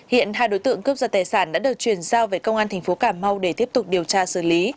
hiện hai đối tượng cướp giật tài sản đã được truyền giao về công an tp cà mau để tiếp tục điều tra xử lý